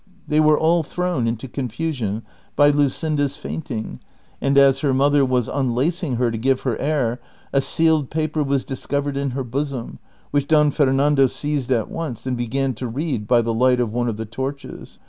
They were all thrown into confusion by Luscinda's fainting, and as her mother was unlacing her to give her air, a sealed jjaper was dis covered in her bosom, which Don Fernando seized at once and be gan to read by the light of one of the torches.